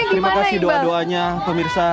terima kasih doanya pemirsa